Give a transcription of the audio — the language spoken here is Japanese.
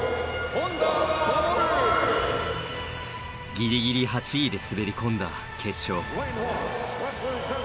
ギリギリ８位で滑り込んだ決勝。